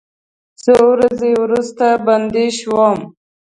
یو څو ورځې وروسته بندي شوم.